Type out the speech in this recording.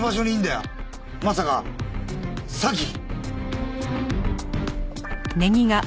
まさか詐欺？